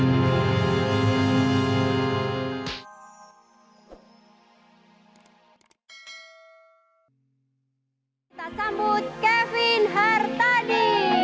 kita sambut kevin hartadis